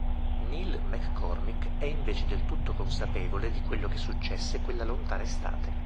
Neil McCormick è invece del tutto consapevole di quello che successe quella lontana estate.